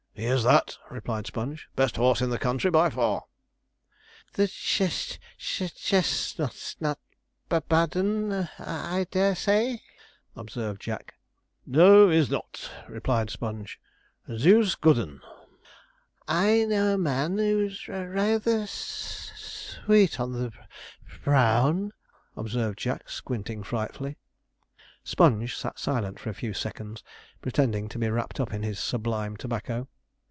'He is that,' replied Sponge; 'best horse in this country by far.' 'The che che chest nut's not a ba ba bad un. I dare say,' observed Jack. 'No, he's not,' replied Sponge; 'a deuced good un.' 'I know a man who's rayther s s s sweet on the b b br brown,' observed Jack, squinting frightfully. Sponge sat silent for a few seconds, pretending to be wrapt up in his 'sublime tobacco.'